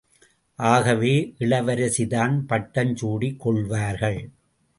ஆகவே இளவரசிதான் பட்டம் சூட்டிக் கொள்வார்கள்.